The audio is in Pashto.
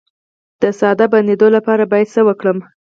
د ساه د بندیدو لپاره باید څه وکړم؟